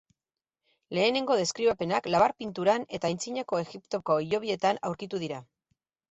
Lehenengo deskribapenak labar-pinturan eta Antzinako Egiptoko hilobietan aurkitu dira.